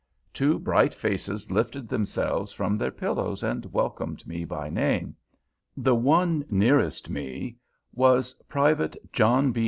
Two bright faces lifted themselves from their pillows and welcomed me by name. The one nearest me was private John B.